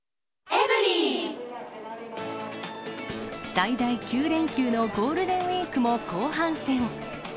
最大９連休のゴールデンウィークも後半戦。